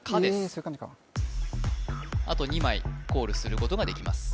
そういう感じかあと２枚コールすることができます